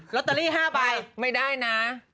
อ่ะลอตเตอรี่๕ใบไม่ได้นะ